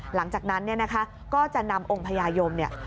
หลังจากนั้นเนี่ยนะคะก็จะนำองค์พญายมเนี่ย